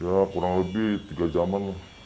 ya kurang lebih tiga jam an